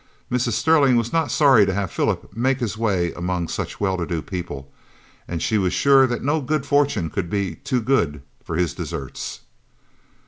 Mrs. Sterling was not sorry to have Philip make his way among such well to do people, and she was sure that no good fortune could be too good for his deserts.